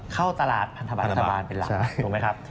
เข้าตลาดพันธบัตรรัฐบาลเป็นหลักถูกไหมครับ